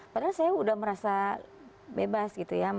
padahal saya sudah merasa bebas gitu ya